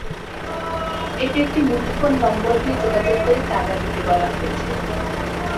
এতে একটি মুঠোফোন নম্বর দিয়ে যোগাযোগ করে চাঁদা দিতে বলা হয়েছে।